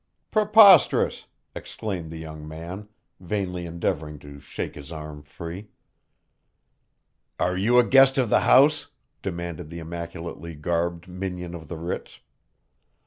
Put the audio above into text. "Preposterous!" exclaimed the young man, vainly endeavoring to shake his arm free. "Are you a guest of the house?" demanded the immaculately garbed minion of the Ritz.